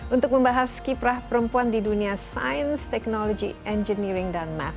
untuk membahas kiprah perempuan di dunia sains teknologi engineering dan math